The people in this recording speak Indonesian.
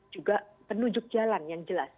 juga penunjuk jalan yang jelas